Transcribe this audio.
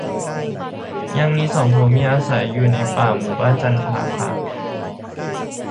ยังมีสองผัวเมียอาศัยอยู่ในหมู่บ้านจันทคาม